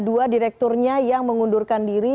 dua direkturnya yang mengundurkan diri